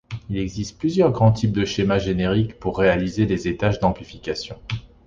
Il existe plusieurs grands types de schémas génériques pour réaliser les étages d’amplification.